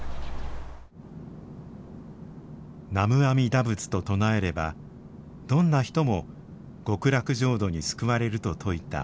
南無阿弥陀仏と唱えればどんな人も極楽浄土に救われると説いた法然。